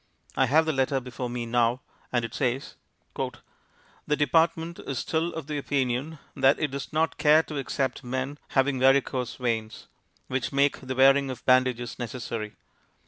I have the letter before me now, and it says: "The Department is still of the opinion that it does not care to accept men having varicose veins, which make the wearing of bandages necessary.